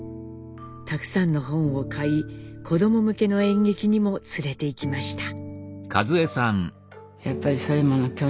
たくさんの本を買い子ども向けの演劇にも連れて行きました。